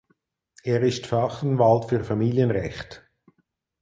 Er ist Fachanwalt für Familienrecht.